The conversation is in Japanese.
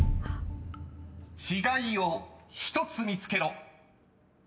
［違いを１つ見つけろ］